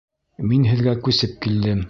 Мин һеҙгә күсеп килдем.